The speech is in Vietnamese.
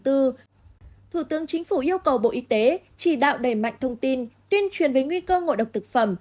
thủ tướng chính phủ yêu cầu bộ y tế chỉ đạo đẩy mạnh thông tin tuyên truyền về nguy cơ ngộ độc thực phẩm